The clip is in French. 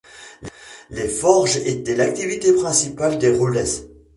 Les forges étaient l’activité principale de Rulles.